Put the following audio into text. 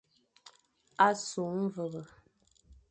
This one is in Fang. A su mvebe.